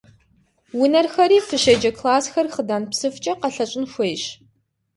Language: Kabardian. Унэрхэри, фыщеджэ классхэр хъыдан псыфкӀэ къэлъэщӀын хуейщ.